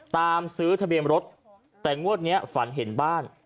ซื้อทะเบียนรถแต่งวดนี้ฝันเห็นบ้าน